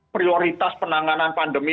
prioritas penanganan pandemi